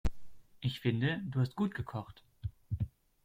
Ich finde, du hast gut gekocht.